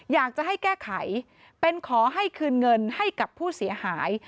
อยากจะให้แก้ไขเป็นขอให้คืนเงินให้กับผู้เสียหาย